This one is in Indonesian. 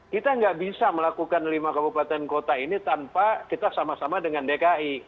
kita nggak bisa melakukan lima kabupaten kota ini tanpa kita sama sama dengan dki